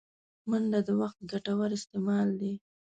منډه د وخت ګټور استعمال دی